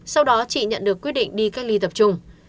sau đó chị nhận được quyết định đi cách ly tập trung